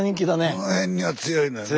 この辺には強いのよね。